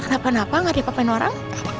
kenapa kenapa gak diapa apain orang